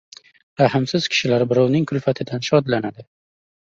Rahmsiz kishilar birovning kulfatidan shodlanadi.